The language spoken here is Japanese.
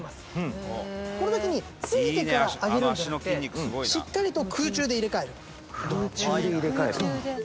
「この時に着いてから上げるんじゃなくてしっかりと空中で入れ替える」「空中で入れ替える？」